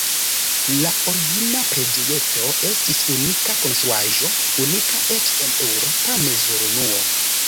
La origina preĝejeto estis unika konstruaĵo, unika eĉ en eŭropa mezurunuo.